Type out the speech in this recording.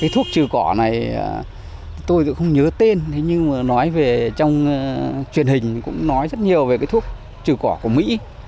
thuốc trừ cỏ này tôi cũng không nhớ tên nhưng trong truyền hình cũng nói rất nhiều về thuốc trừ cỏ của mỹ